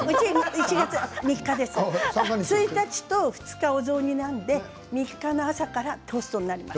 １日と２日はお雑煮なので３日目からトーストになります。